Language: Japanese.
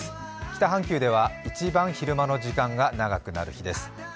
北半球では一番昼間の時間が長くなる日です。